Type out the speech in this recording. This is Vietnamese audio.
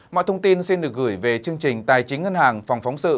mọi thông tin xin được gửi về chương trình tài chính ngân hàng phòng phóng sự